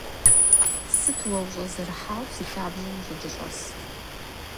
Сыт уэ ущӏэзэрыхьауэ си лъабжьэм ущӏыкӏэщӏэсыр?